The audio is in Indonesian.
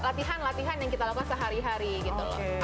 latihan latihan yang kita lakukan sehari hari gitu loh